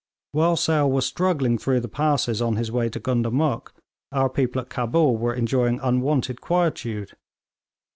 While Sale was struggling through the passes on his way to Gundamuk, our people at Cabul were enjoying unwonted quietude.